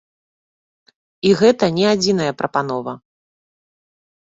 І гэта не адзіная прапанова.